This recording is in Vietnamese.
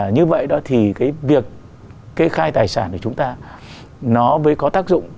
như vậy đó thì cái việc kê khai tài sản của chúng ta nó mới có tác dụng